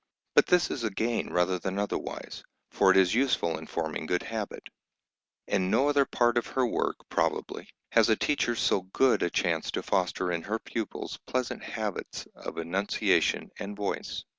But this is a gain rather than otherwise, for it is useful in forming good habit. In no other part of her work, probably, has a teacher so good a chance to foster in her pupils pleasant habits of enunciation and voice.